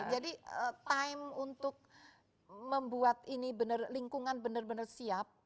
jadi time untuk membuat ini benar lingkungan benar benar siap